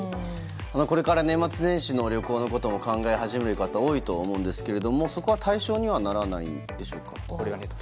これから年末年始の旅行のことを考え始める方多いと思うんですがそこは対象にはならないんでしょうか。